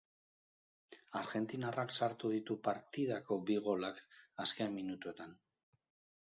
Argentinarrak sartu ditu partidako bi golak azken minutuetan.